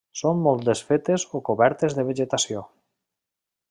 Són molt desfetes o cobertes de vegetació.